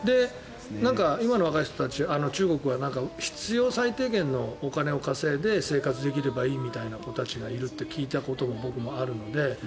なんか、今の若い人たち中国は必要最低限のお金を稼いで生活できればいいみたいな子たちがいるって聞いたことが僕もあるので。